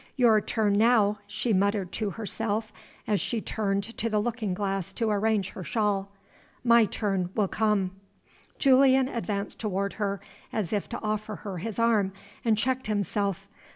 "Your turn now," she muttered to herself, as she turned to the looking glass to arrange her shawl. "My turn will come." Julian advanced toward her, as if to offer her his arm, and checked himself.